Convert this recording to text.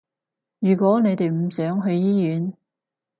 如果你哋唔想去醫院